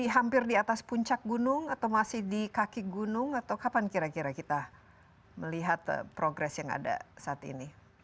hampir di atas puncak gunung atau masih di kaki gunung atau kapan kira kira kita melihat progres yang ada saat ini